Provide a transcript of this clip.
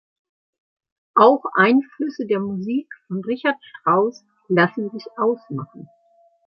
Auch Einflüsse der Musik von Richard Strauss lassen sich ausmachen.